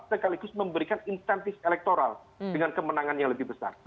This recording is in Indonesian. sekaligus memberikan insentif elektoral dengan kemenangan yang lebih besar